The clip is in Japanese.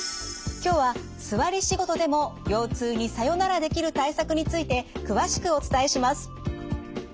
今日は座り仕事でも腰痛にさよならできる対策について詳しくお伝えします。